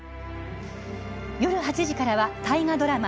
夜８時からは大河ドラマ